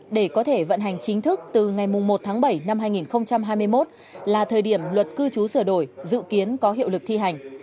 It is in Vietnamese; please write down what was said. để có thể vận hành chính thức từ ngày một tháng bảy năm hai nghìn hai mươi một là thời điểm luật cư trú sửa đổi dự kiến có hiệu lực thi hành